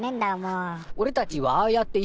俺たちはああやって。